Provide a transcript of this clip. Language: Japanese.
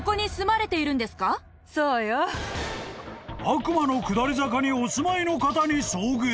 ［悪魔の下り坂にお住まいの方に遭遇］